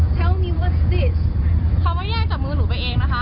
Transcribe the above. เขามาแย่งจากมือหนูไปเองนะคะ